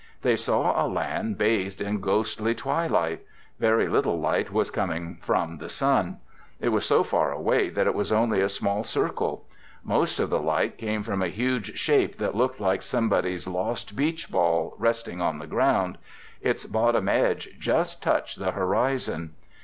They saw a land bathed in ghostly twilight. Very little light was coming from the sun. It was so far away that it was only a small circle. Most of the light came from a huge shape that looked like somebody's lost beach ball resting on the ground. Its bottom edge just touched the horizon.